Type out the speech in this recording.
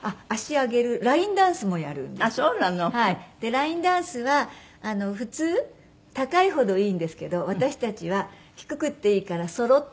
ラインダンスは普通高いほどいいんですけど私たちは低くっていいからそろってる事。